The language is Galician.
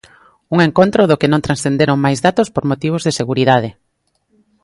Un encontro do que non transcenderon máis datos por motivos de seguridade.